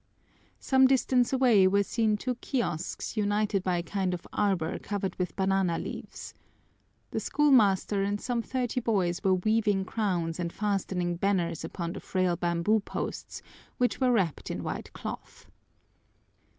Some distance away were seen two kiosks united by a kind of arbor covered with banana leaves. The schoolmaster and some thirty boys were weaving crowns and fastening banners upon the frail bamboo posts, which were wrapped in white cloth.